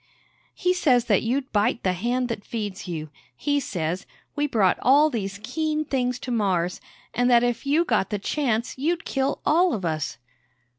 "He says that you'd bite th' hand that feeds you. He says, we brought all these keen things to Mars, an' that if you got th' chance, you'd kill all of us!"